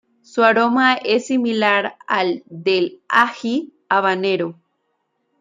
Su aroma es similar al del ají habanero.